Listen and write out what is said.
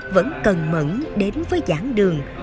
vẫn cần mẫn đến với giảng đường